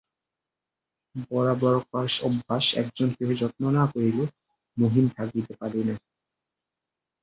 বরাবরকার অভ্যাস, একজন কেহ যত্ন না করিলে মহিন থাকিতে পারে না।